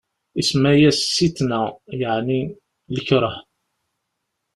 Isemma-yas Sitna, yeɛni lkeṛh.